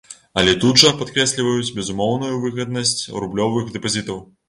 Але тут жа падкрэсліваюць безумоўную выгаднасць рублёвых дэпазітаў.